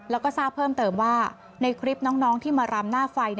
แล้วก็ทราบเพิ่มเติมว่าในคลิปน้องที่มารำหน้าไฟ